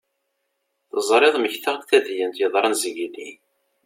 Teẓriḍ mmektaɣ-d tadyant yeḍran zgelli.